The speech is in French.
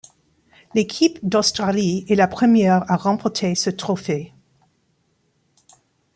L'équipe d'Australie est la première à remporter ce Trophée.